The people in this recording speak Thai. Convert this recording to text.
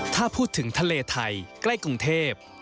ถ้าพูดถึงทะเลไทยใกล้กรุงเทพ